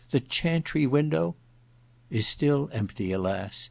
* The chantry window ?'* Is still empty, alas